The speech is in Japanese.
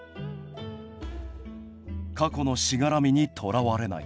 過去のしがらみにとらわれない。